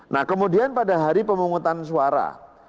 nah kemudian pada hari pemungutan suara